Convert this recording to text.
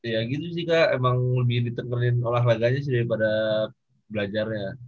ya gitu sih kak emang lebih ditenggerin olahraganya sih daripada belajarnya